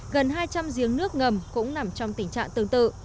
gần hai trăm linh giếng nước ngầm cũng nằm trong tình trạng tương tự